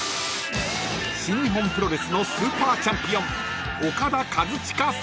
［新日本プロレスのスーパーチャンピオン］